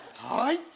はい。